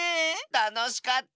たのしかった。